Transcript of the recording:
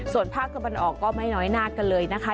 ส่วนภาคกำลังออกก็ไม่น้อยนาดกันเลยนะคะ